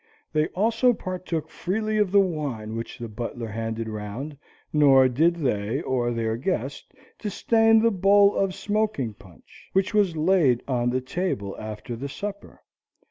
They also partook freely of the wine which the butler handed round, nor did they, or their guest, disdain the bowl of smoking punch, which was laid on the table after the supper.